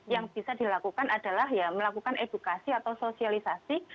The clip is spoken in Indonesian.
yang bisa dilakukan adalah ya melakukan edukasi atau sosialisasi